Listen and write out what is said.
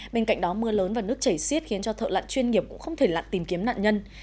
bên cạnh đó mưa lớn và nước chảy xiết khiến cho thợ lặn chuyên nghiệp cũng không thể lặn tìm kiếm nạn nhân